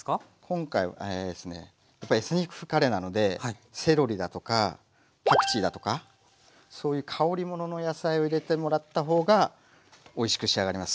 今回はえあれですねやっぱエスニック風カレーなのでセロリだとかパクチーだとかそういう香りものの野菜を入れてもらった方がおいしく仕上がります。